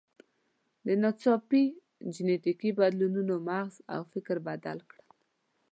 ناڅاپي جینټیکي بدلونونو مغز او فکر بدل کړل.